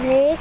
với mẹ con